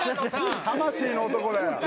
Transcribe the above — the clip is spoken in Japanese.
魂の男だよ。